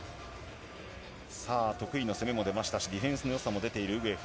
さあ、得意の攻めも出ましたし、ディフェンスのよさも出ているウグエフ。